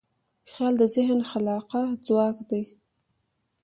خیال د ذهن خلاقه ځواک دی.